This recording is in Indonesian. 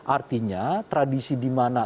artinya tradisi dimana